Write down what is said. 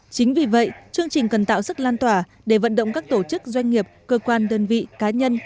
chính vì vậy chương trình cần tạo sức lan tỏa để vận động các tổ chức doanh nghiệp cơ quan đơn vị cá nhân